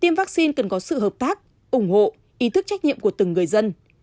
tiêm vaccine cần có sự hợp tác ủng hộ ý thức trách nhiệm của từng người dân